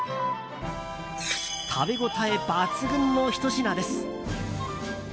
食べ応え抜群のひと品です。